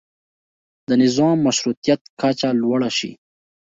د نظام مشروطیت کچه لوړه شي.